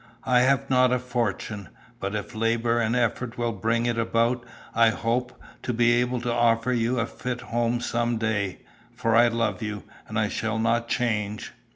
I have not a fortune, but if labour and effort will bring it about I hope to be able to offer you a fit home some day, for I love you, and I shall not change.